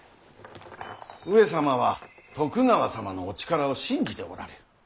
上様は徳川様のお力を信じておられる。